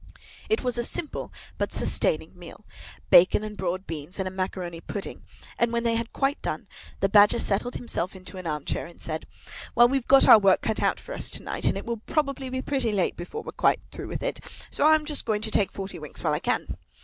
It was a simple but sustaining meal—bacon and broad beans, and a macaroni pudding; and when they had quite done, the Badger settled himself into an arm chair, and said, "Well, we've got our work cut out for us to night, and it will probably be pretty late before we're quite through with it; so I'm just going to take forty winks, while I can."